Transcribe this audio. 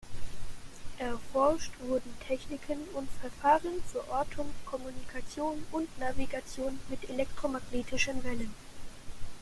Erforscht wurden Techniken und Verfahren für Ortung, Kommunikation und Navigation mit elektromagnetischen Wellen.